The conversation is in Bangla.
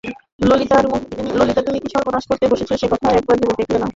ললিতার তুমি কী সর্বনাশ করতে বসেছ সে কথা একবার ভেবে দেখলে না!